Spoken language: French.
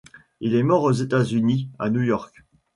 Il est mort aux États-Unis, à New York.